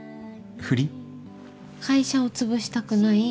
会社を潰したくない。